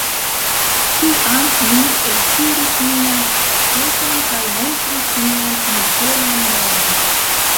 Tiam mi eltiris mian saketon kaj montris mian nikelan monon.